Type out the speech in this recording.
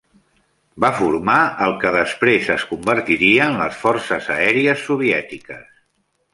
Va formar el que després es convertiria en les Forces Aèries Soviètiques.